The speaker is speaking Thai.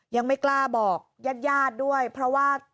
ยังไม่กล้าบอกยาดด้วยเพราะว่า